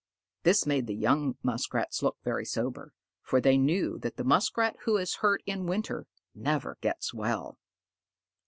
This made the young Muskrats look very sober, for they knew that the Muskrat who is hurt in winter never gets well.